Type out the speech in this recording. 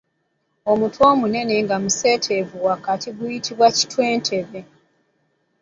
Omutwe omunene nga museeteevu wakati guyitibwa kitwe tebe.